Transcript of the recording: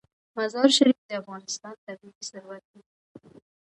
مزارشریف د افغانستان طبعي ثروت دی.